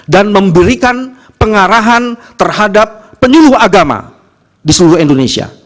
dan memberikan pengarahan terhadap penyuluh agama di seluruh indonesia